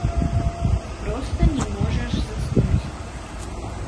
Проста не можаш заснуць.